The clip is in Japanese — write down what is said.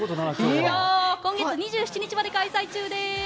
今月２７日まで開催中です。